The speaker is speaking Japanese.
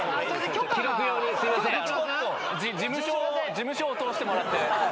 事務所を通してもらって。